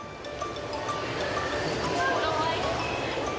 かわいい。